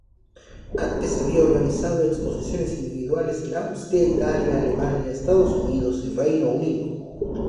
Antes había organizado exposiciones individuales en Austria, Italia, Alemania, Estados Unidos y Reino Unido.